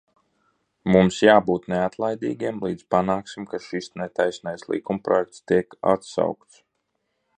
Mums jābūt neatlaidīgiem, līdz panāksim, ka šis netaisnais likumprojekts tiek atsaukts.